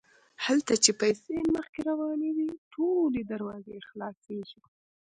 هلته چې پیسې مخکې روانې وي ټولې دروازې خلاصیږي.